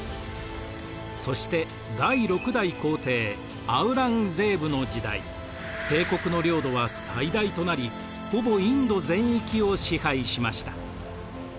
そして第６代皇帝アウラングゼーブの時代帝国の領土は最大となりほぼインド全域を支配しました。